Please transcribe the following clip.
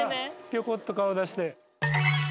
ぴょこっと顔を出して。